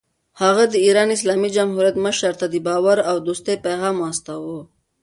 هغه د ایران اسلامي جمهوریت مشر ته د باور او دوستۍ پیغام واستاوه.